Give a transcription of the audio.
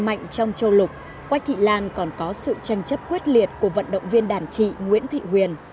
mạnh trong châu lục quách thị lan còn có sự tranh chấp quyết liệt của vận động viên đàn chị nguyễn thị huyền